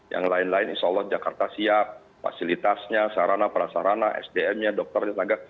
yang lain lain insya allah jakarta siap fasilitasnya sarana perasarana sdm nya dokternya